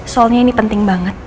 soalnya ini penting banget